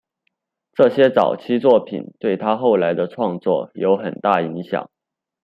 这些早期作品对他后来的创作有很大影响。